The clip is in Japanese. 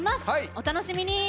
お楽しみに！